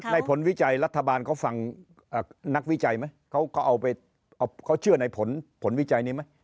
ผลวิจัยรัฐบาลเขาฟังนักวิจัยไหมเขาเอาไปเขาเชื่อในผลวิจัยนี้ไหม